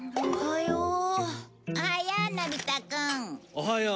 おはよう。